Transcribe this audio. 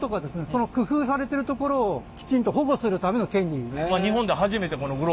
その工夫されてるところをきちんと保護するための権利。